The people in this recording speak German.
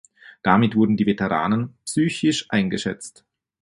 Damit wurden die Veteranen psychisch eingeschätzt.